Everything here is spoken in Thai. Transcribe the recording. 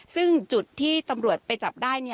ซึ่งจุดที่ตำรวจไปจับได้